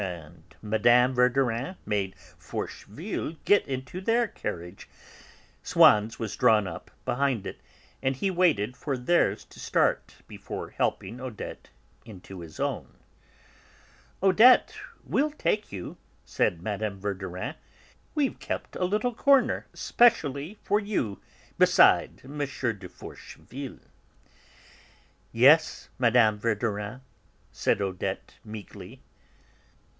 and Mme. Verdurin made Forcheville get into their carriage; Swann's was drawn up behind it, and he waited for theirs to start before helping Odette into his own. "Odette, we'll take you," said Mme. Verdurin, "we've kept a little corner specially for you, beside M. de Forcheville." "Yes, Mme. Verdurin," said Odette meekly.